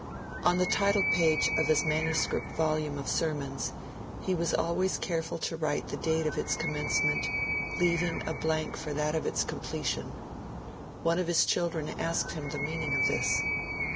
On the title page of his MS. volume of sermons, he was always careful to write the date of its commencement, leaving a blank for that of its completion. One of his children asked him the meaning of this.